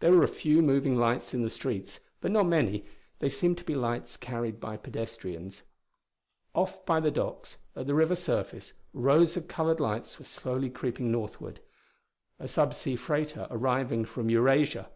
There were a few moving lights in the streets, but not many; they seemed to be lights carried by pedestrians. Off by the docks, at the river surface, rows of colored lights were slowly creeping northward: a sub sea freighter arriving from Eurasia.